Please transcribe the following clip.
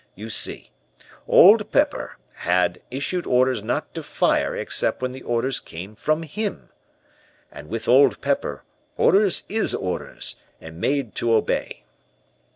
You see, Old Pepper had issued orders not to fire except when the orders came from him. And with Old Pepper orders is orders, and made to obey.